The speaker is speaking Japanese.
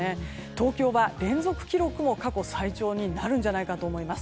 東京は連続記録、過去最長になるんじゃないかと思います。